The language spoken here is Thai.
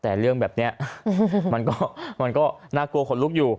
แต่เรื่องแบบนี้มันก็น่ากลัวขนลุกอยู่